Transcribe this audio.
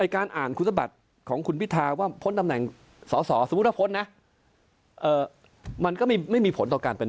ถ้านักวันที่จะเป็นนายกไม่มีหุ้นแล้ว